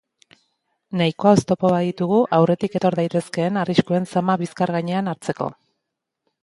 Nahikoa oztopo baditugu aurretik etor daitezkeen arriskuen zama bizkar gainean hartzeko.